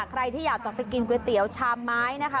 ใครที่อยากจะไปกินก๋วยเตี๋ยวชามไม้นะคะ